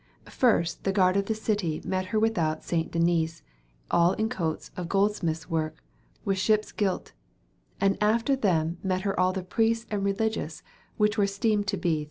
First the garde of the cytee met her with oute Sayncte Denyce al in coates of goldsmythes woorke with shippes gylt, and after them mett her al the prestes and religious whiche were estemed to be.